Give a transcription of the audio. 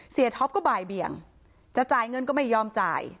ท็อปก็บ่ายเบี่ยงจะจ่ายเงินก็ไม่ยอมจ่าย